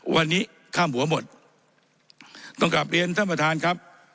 วันนี้ข้ามหัวหมดต้องกลับเรียนท่านประธานครับ